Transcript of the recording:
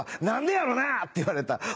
何でやろな？」って言われた。